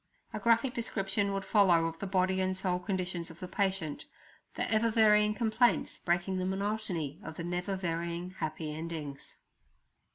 A graphic description would follow of the body and soul conditions of the patient, the ever varying complaints breaking the monotony of the never varying happy endings.